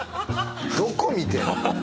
どこ見てんの？